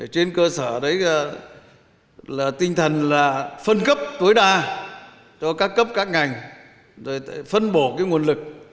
trên cơ sở đấy là tinh thần là phân cấp tối đa cho các cấp các ngành phân bổ nguồn lực